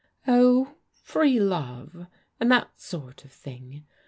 "" Oh, free love, and that sort of thing.